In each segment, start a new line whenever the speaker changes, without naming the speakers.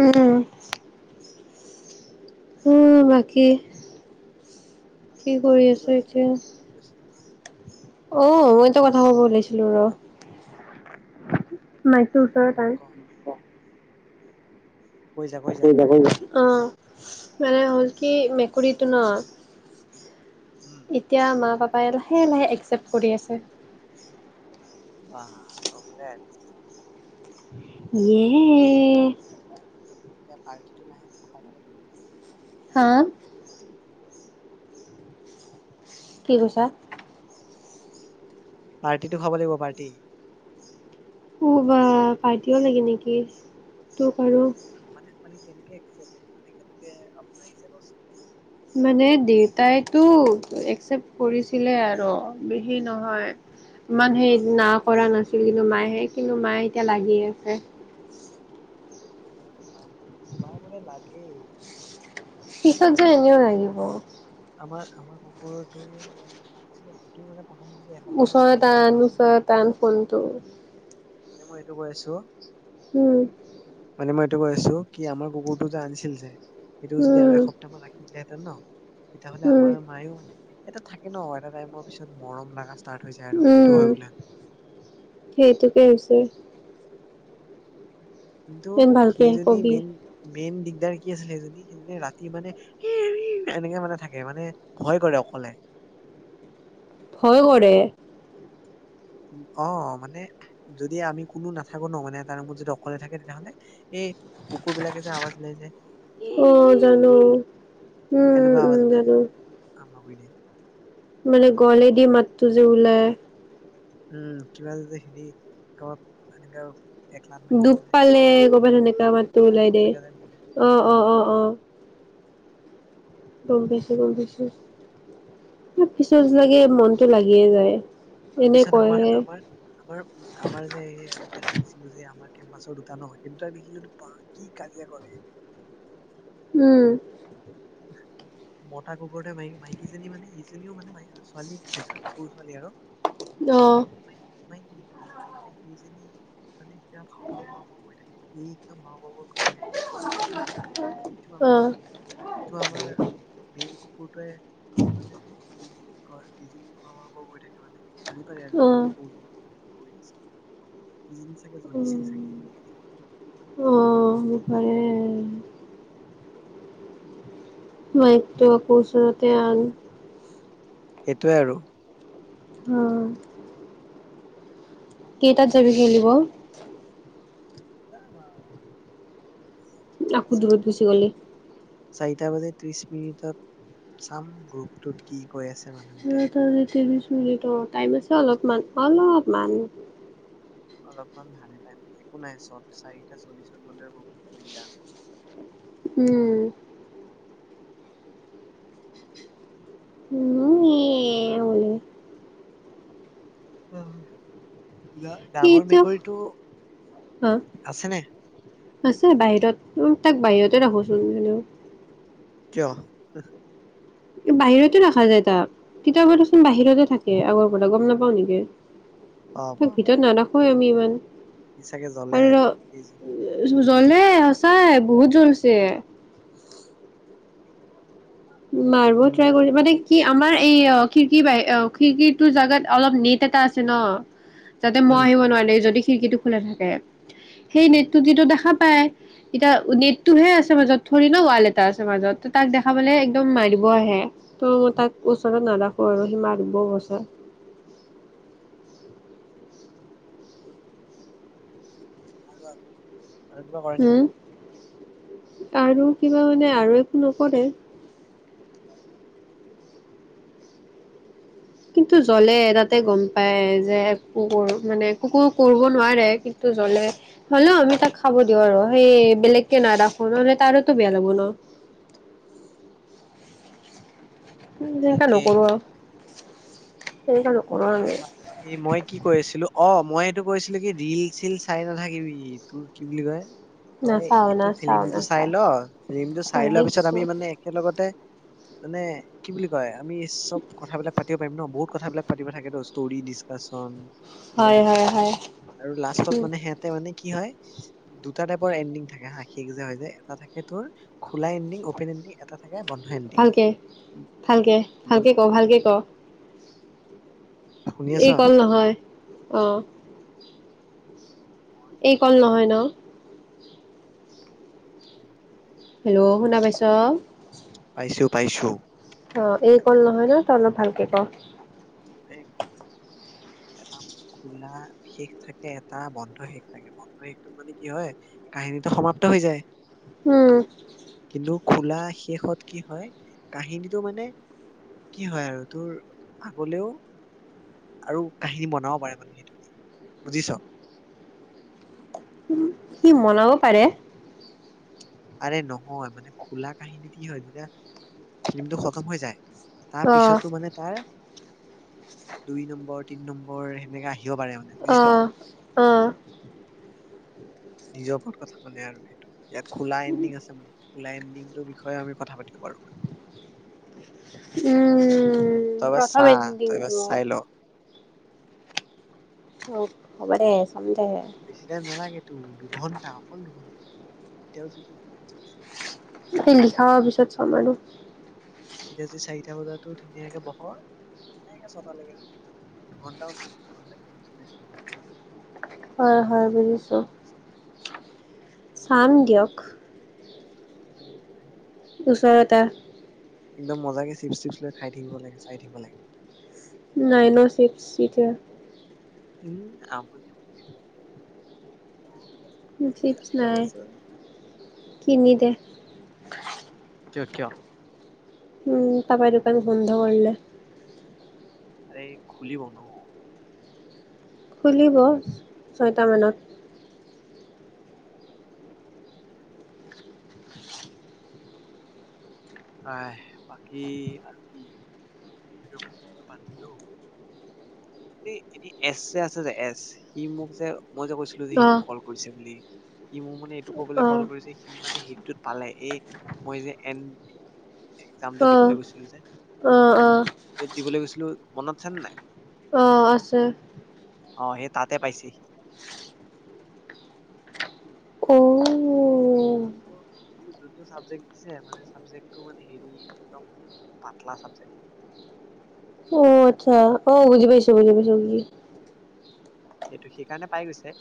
উম উ বাকী কি
বাকী
কৰি
কৈ
আছ
আছিল
এতিয়া
কম বুলি কৈছিল নহয়
আহ ম কথা ক'ব ওলাইছিলো ৰ নাইছৰ ওচৰত ত আৰু
ক
[unintelligible] কৈ যা কৈ যা অ মানে হ'ল কি মেকুৰীটো ন
উম
এতিয়া মা পাপা লাহে লাহে একচেপ্ট কৰি আছে
অ কঙগ্ৰেছ
ইএ
এতিয়া পাৰ্টিটো লাহে খাব লাগিব
অ কি কৈছা
পাৰ্টিটো খাব লাগিব পাৰ্টি
উ বা পাৰ্টিও লাগে নেকি তোক আৰু
মানে মানে কেনেকে মানে একচেপ্ট কেনেকে আপোন লাগিছে ক চোন
মানে দেউতাইতো একচেপ্ট কৰিছিলে আৰু সি নহয় মানুহে না কৰা নাছিল ছিল কিন্তু মায়েহে কিন্তু মায়ে এতিয়া লাগি আছে
এ মা মা বোৰে লাগেই
শেষত
প্ৰথমতে
এনেও
প্ৰথমতে
লাগিব
আমাৰ আমাৰ কুকুৰটো মানে মানিছিলো সেইটো মানে প্ৰথম যদি এসপ্তাহ মান ৰাখি
ওচৰত
দিলেহেঁতেন ন
আন ওচৰত আন ফোনটো
এ মই এইটো কৈ আছোঁ
উম
মানে মই এইটো কৈ আছো কি আমাৰ কুকুৰটো যে আনিছিল যে সেইটোও যদি
উম
আৰু এসপ্তাহ ৰাখিলে হেতেন ন তেতিয়াাহলে
উম
আমাৰ মায়েও মানে এটা থাকে ন এটা টাইমৰ পিছত মৰম ল লগা ষ্টাৰ্ট হৈ যায় আৰু
উম
সেইটো হয় বোলে
দেছে [unintelligible]
কিন্তু
ভালকে
সেইজনী
কবি
মেইন-মেইন দি তাৰ কি আছিলে সেইজনী-সেইজনী ৰাতি মানে উ, এনেকে মানে থাকে মানে ভয় কৰে অকলে।
ভয় কৰে।
অ', মানে যদি আমি কোনো নাথাকো ন মানে তাৰ ৰুমত যদি অকলে থাকে। তেতিয়াহ'লে এই কুকুৰ বিলাকে যে আৱাজ ওলাই যে ই
আহ,
ই
জানো
ই এনেকুৱা
উম-উম-উম
আৱাজ বিলাক
জানো।
আৰম্ভ কৰি দিয়ে
মানে গলে দি মাতটো যে ওলাই।
উম, কিবা যদি হেৰি কবাক এনেকোৱা
দুখ পালে ক'ৰবাত সেনেকা
ই
মাতটো ওলাই দে
এনেকে যে এনেকুৱা
অ-অ-অ-অ, গম পাইছো, গম পাইছো পিছত লাগে মনতটো লাগিয়ে যায়।
আৰু
এনে
পিছত
কয়হে
আমাৰ-আমাৰ-আমাৰ-আমাৰ যে এই আমি যে ৰাখিছিলো। যে আমাৰ কেম্পাছৰ দুটা ন সেই দুটাৰ দেখিলো বা কি কাজিয়া কৰে।
উম,
মতা কুকুৰতে মকী মাইকীজনী মানে ইজনীও মানে ম, ছোৱালী আছিলা। সৰু ছোৱালী আৰু
উম
দুই জনো
অ
মাই মাইকী মানে সেইজনী মানে এতিয়া ভাও-ভাও কৰি থাকে। এই একদম ভাও-ভাও কৰি থাকে ইটো-ইটো আমাৰ, এইটো আমাৰ মেইল কুকুৰটোৱে মানে এইজনী-এইজনী হাও-হাও কৰি থাকে, মানে গালি পাৰে আৰু
অ
কি
অ
এইজনী কৰি আছে এইজনী চাগে জ্বলিছিল
উম
চাগে।
আ, পাৰে। মাইকটো আকৌ ওচৰতে আন
সেইটোৱে আৰু।
অ', কেইটাত
এনে
যাবি খেলিব। [unintelligible]
যাম আৰু।
আকৌ দূৰত গুচি গলি।
টা বজাৰ ত্ৰিশ মিনিটত চাম গ্ৰুপটোত কি কৈ আছে। মানুহকেইটাই
তেন্তে তোমাৰ টাইম আছে অলপমান-অলপমান।
অলপমান ভালে টাইম একো নাই চ চাৰিটা চল্লিশত গলে দিগদাৰ নাই।
উম, উম এ বোলে
কিবা ডাঙৰ
সিটো
মেকুৰীটো
হা
আছেনে।
আছে বাহিৰত তাক বাহিৰতে ৰাখোচোন জান।
কিয়?
বাহিৰতে ৰাখা যায় তাক কিতাপোচোন বাহিৰতে থাকে আগৰ পৰা গম নোপোৱা নেকি?
অ অ
তাক ভিতৰত নাৰাখো আমি। ইমান
সি চাগে জ্বলে
আৰু
এই যি- ই
জ্বলে সঁচাই বহুত। তোলছে মাৰিব ট্ৰাই
উম
কৰি মানে কি আমাৰ এই অ খিৰিকী বাহি অ খিৰিকীটো জাগাত অলপ নেট এটা আছে ন যাতে মই
উম
আহিব নোৱাৰিল দে যদি খিৰিকীটো খোলা থাকে সেই
উম।
নেট যিটো দেখা পাই এতিয়া নেটটোহে আছে মাজত ধৰি ন ৱাল এটা আছে মাজত তাক দেখাবলে একদম মাৰিব আহে ত মই তাক ওচৰত নেদাখো আৰু সিমা দব বছৰ
আৰু আৰু আৰু কিবা কৰে নেকি
হম আৰু কিবা মানে আৰু একো নকৰে কিন্তু জ্বলে তাতে গম পায় যে কুৰ মানে কুকুৰ কৰিব নোৱাৰে কিন্তু জ্বলে হলেও আমি তাক খাব দিওঁ আৰু সেই বেলেগকে নাৰাখো নহলে তাৰতো বেয়া লব ন উ চিন্তা
ঠিকে
নকৰো আৰু সেই তেনেকুৱা নকৰো আমি
এই মই কি কৰি আছিলো অ মই এইটো কৈছিলো কি ৰিল চিলল চাই নাথাকিবি তোৰ কি বুলি কয় তই
নাচাও
এইটো
নাচাও
ফিল্মটো
নাচাও
চাই ল ফিল্মটো চাই লোৱা পিছত
ভাঙিছো
আমি মানে একেলগতে মানে কি বুলি কয় আমি চব কথাবিলাক পাতিব পাৰিম ন বহুত কথাবিলাক পাতিব থাকে ষ্টৰি ডিছকাচন কিবা
হয় হয়
কিবি
হয়
আৰু লাষ্টত
উম
মানে সিহঁতে মানে কি হয় দুটা টাইপৰ এডিং থাকে হাস যে হৈ এটা থাকে তোৰ খোলা এণ্ডিং অ'পেন এণ্ডিং এটা থাকে বন্ধ এণ্ডিং
ভালকে ভালকে
বন্
ভালকে ক ভালকে ক এই কল নহয় আহ এই কল নহয় ন হেল্ল' শুনা পাইছ
পাইছো পাইছো
অ এই কল নহয় ন তই অলপ ভালকে ক
এই এটা মানে খোলা শেষ থাকে এটা বন্ধ শেষ থাকে বন্ধ শেষটোত মানে কি হয় কাহিনীটো সমাপ্ত হৈ যায়
উম
কিন্তু খোলা শেষত কি হয় কাহিনীটো মানে কি হয় আৰু তোৰ আগলেও আৰু কাহিনী বনাও পাৰে মানে সেইটো দি বুজিছ
সি মনাব পাৰে
আৰে নহয় মানে খোলা কাহিনী কি হয় যেতিয়া ফিল্মটো খতম হৈ যায় তাৰ
অ
পিছতো মানে তাৰ দুই নম্বৰ তিন নম্বৰ সেনেকা আহ
আহ আহ
নিজৰ ওপৰত কথা মানলে আৰু সেইটো ইয়াত খোলা এণ্ডিং আছে মানে লাইন দিনটোৰ বিষয়ে আমি কথা পাতিব পাৰো
উম
তই এবাৰ চা
প্ৰথম
তই এবাৰ
এণ্ডিংটো
চাই ল
অ হবদে
বেছি টাইম নালাগে তো দুঘন্টা অকল দুঘন্টা এতিয়াও যদি
ভিন্দি খাব পিছত ত চ মাৰো
এতিয়া যদি চাৰিটা বজাতো ধুনীয়াকে বহ নে ছটালৈকে হৈ যওঁ দুঘন্টাও নহয় এক ঘন্টা কিমান চল্লিশ মিনিট
হয় হয় বুজিছো চাম দিয়ক
ষ কৰি খাই
ওচৰটা
একদম মজাকে চিপচ চিপছ লৈ খাই থাকিব লাগে চাই থাকিব লাগে
নাইনৰ' ছিক্স চিঠ
উম আনি
চিপছ নাই কিনি দে অ
কিয়
উম পাপাই দোকান বন্ধ কৰিলে
আৰে খুলিব ন
খুলিব ছয়টামানত
আহ বাকী আৰু কি সেইটো কথা পাতিলো এ এনে এচ আছে যে এচ সি মোক যে মই যে কৈছিলো যে সি মোক
অ',
কল কৰিছে বুলি সি মোৰ মানে এইটো কবলে কল
অ',
কৰিছে সি মানে হিলটোত পালে এ মই যে এন একজামটো
অ',
দিবলৈ গৈছিলো যে
অ', অ',
য'ত দিবলৈ গৈছিলো মনত আছে নে নাই
অঁ আছে
অ সেই তাতে পাইছেহি
অ',
কিন্ত কি যোনটো চাবজেক্ট দিছে মানে চাবজেক্টটো মানে হেৰি একদম পাতলা চাবজেক্ট
অ আচ্ছা অ বুজি পাইছো বুজি পাইছো
সেইটো সেইকাৰণে পাই গৈছে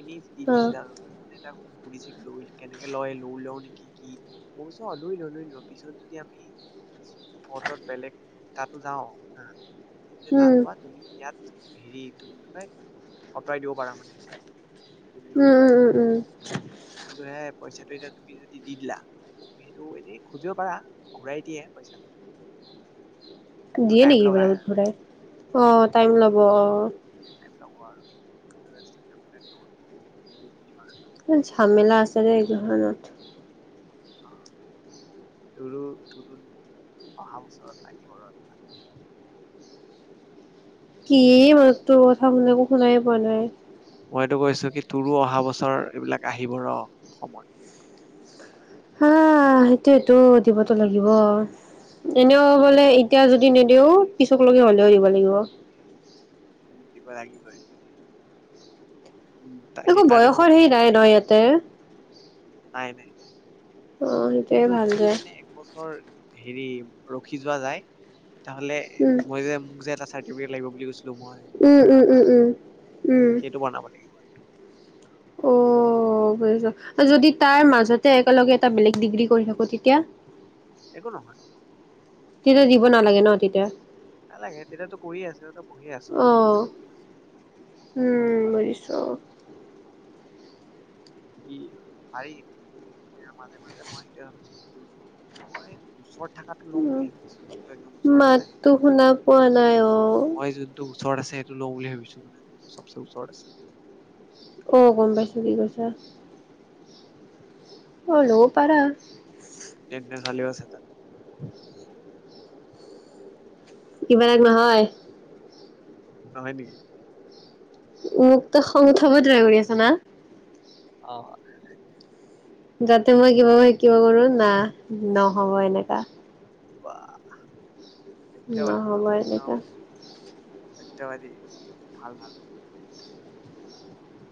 এনে দি
অ'।
দিছিল আৰু মানে এটা সুধিছে লৈ কেনেকে লয় লৈ লও নেকি কি মই কৈছো অ লৈ ল লৈ ল পিছত যদি আমি ফটত বেলেগ তাতো যাও হ তাত
উম,
প তুমি ইয়াত হেৰি তুম পাই আঁতৰাই দিব পাৰা মানে এইটো যদি
উম,
লৈ লোৱা
উম, উম, উম,
এইটো কিন্তু হে পইচাটো এতিয়া তুমি যদি দি দিলা তুমি সেইটো এনেই খুজিব পাৰা ঘূৰাই দিয়ে পইচাটো কিন্তু
দিয়ে
টাইম
নেকি
লগাই
এইবিলাক ঘুৰাই অ
ঘূৰাই
টাইম
দিয়ে
ল'ব অ
টাইম [unintelligible] আৰু দু তি
ঝামমেলা আছে যে এই ঘত
আহ তোৰু তোৰু অহা বছৰত লাগিব ৰ
কি মাতটো কথা মই একো শুনাই পোৱা নাই
মইতো কৈছো কি তোৰো অহা বছৰ এইবিলাক আহিবৰ ৰ সময়
আহ সেইটোটো দিবতো লাগিব এনেও বোলে এতিয়া যদি নিদিও পিছক লগকে হলেও
উম,
দিব লাগিব
দিব লাগিবই উম
একো
সেইকাৰণে মই
বয়সৰ হেৰি
কৈছো
নাই
কি
ন ইয়াতে
নাই নাই
অ', সেইটোৱে
কিন্তু
ভাল
যদি
দে।
মানে একবছৰ হেৰি ৰখি যোৱা যায় তে হলে
উম,
মই যে মোক যে এটা চ লাগিব বুলি কৈছে মই
উম,
খানাৰ
উম, উম,
পৰা
উম, উম।
সেইটো বনাব লাগিবটো
অ বুজিছো মই যদি তাৰ মাজতে একেলগে এটা বেলেগ ডিগ্ৰী কৰি থাকো তেতিয়া
একো নহয়
তেতিয়া দিব নালাগে ন তেতিয়া
নালাগে তেতিয়াতো কৰিয়ে আছে তত পঢ়িয়ে আছ ন
অ',
কৰি আছ
উম, বুজিছো
কি পাৰি মাজে মাজে মই সেইটোৱে ভাবিছো এইটো মই ওচৰত থটো ল
উম,
বুলি ভাবিছো একদম ওচৰত আছে
মাততো শুনা পোৱা নাই অ',
মই যুদ্ধ ওচৰত আছে এইেইটো লওঁ বুলি ভাবিছো মানে চবচে ওচৰত আছে
অঁ গম পাইছোঁ কি কৈছ হ'লেও পাৰা
নেট নেচালেও আছে তাত [unintelligible]
় [unintelligible] কিবা নহয়
নহয় নেকি
মোক তো খং উঠাব ট্ৰাই কৰি আছে না
অ
যাতে মই কিবা শিকিব পাৰে না নহব এনেকা
বাহ সত্যবান
নহ'ব এনেককা
স্যবাদী ভাল ভাল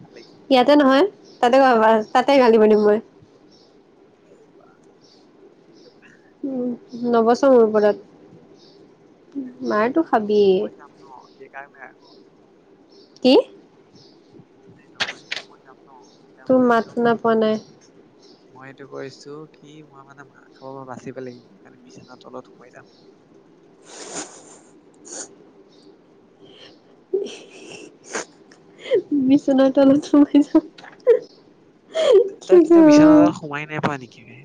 ভাল লাগিছে
ইয়াতে নহয় তাতে আমাৰ তাতে ধালিব লাগিব মই উ নবছৰ মোৰ ওপৰত মাৰো
মই যাম ন সেকাৰণে আকৌ।
কি?
এ নহয় মই যাম ন! তেতিয়া
তোৰ
মানে
মাত
একদম
শুনা পোৱা নাই।
মই এইটো কৈছো কি মই মানে মাহ খাবৰ পৰা বাচিব লাগিব সেইকাৰণে বিছানাৰ তলত সোমাই যাম।
বিচনাৰ তলত সোমাই যা।
তই কেতিয়াও বিচনা তলত সোমাই নাই পোৱা নেকি বে?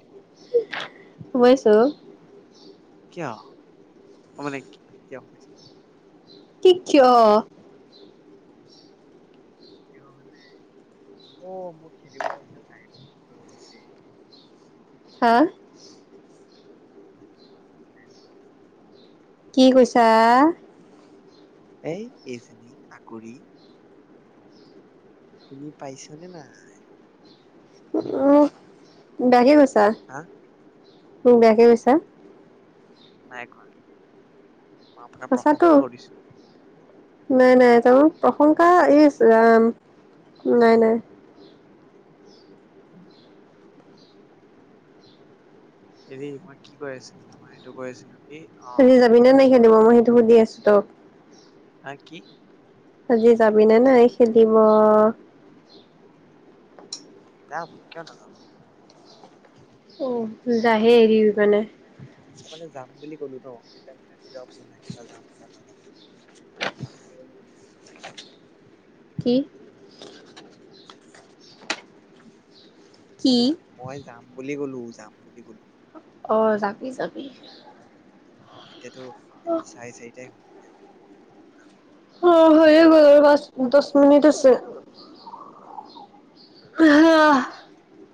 কিয়? অ' মানে কিয় কৈছে
কি কিয়?
কিয় মানে। অ' [unintelligible] খেলিব যাওঁতে টাইম [unintelligible]
হা
[unintelligible]
কি কৈছা?
এই এইজনী আকৰি। তুমি পাইছানে নাই?
উম বেয়াকে কৈছে। [unintelligible]
হা
মোক বেয়াকে কৈছা!
নাই কোৱা। মই আপোনাৰ
সঁচাতো
প্ৰশংসা কৰিছো।
নাই নাই [unintelligible] প্ৰশংসা, ইছ ৰাম নাই নাই।
[unintelligible] হেৰি মই কি কৰি আছিলো, মই এইটো কৈ আছিলো। কি অ
সুধি যাবি নে নাই খেলিব
ওচৰটোতে
মই
লগ
সেইটো সুধি আছো তোক?
হা কি?
আজি যাবিনে নাই খেলিব?
যাম, কিয় নাযাম!
অ' যাহে এৰিবি মানে।
ক'বালে যাম বুলি ক'লো ন, এতিয়া মানে দুটা অপচন থাকে এটা যাম, এটা নাযাম। যাম বুলি কলো মই।
কি? কি
মই যাম বুলি বুলি গ'লো যাম বুলি গ'লো
অ' যাবি যাবি।
অ এতিয়াতো
অ
এইটো চাৰে-চাৰিটাই হয়। [unintelligible]
অ' হৈয়ে গল আৰু পাঁচ-দশমিনিট আছে।
[unintelligible]